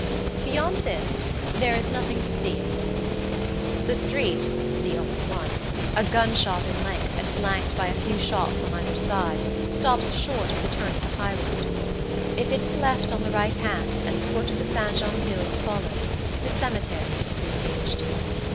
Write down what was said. Beyond this there is nothing to see at Yonville. The street (the only one) a gunshot in length and flanked by a few shops on either side stops short at the turn of the highroad. If it is left on the right hand and the foot of the Saint Jean hills followed the cemetery is soon reached.